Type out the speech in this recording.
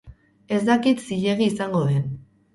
Ez dakit zilegi izango den.